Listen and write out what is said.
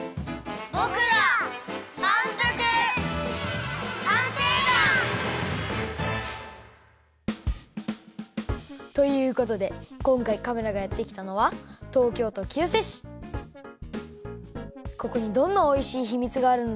ぼくらまんぷく探偵団！ということでこんかいカメラがやってきたのはここにどんなおいしいひみつがあるんだろう？